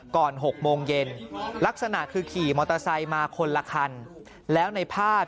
ก่อนถึง๑๐นาทีลักษณะคือขี่มอเตอร์ไซค์มาคนละคันแล้วในภาพ